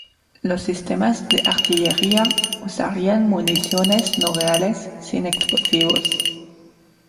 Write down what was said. Los sistemas de artillería usarían municiones no reales sin explosivos.